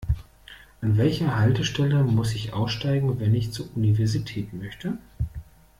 An welcher Haltestelle muss ich aussteigen, wenn ich zur Universität möchte?